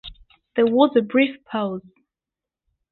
There was a brief pause.